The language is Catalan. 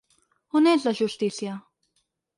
On és la justícia?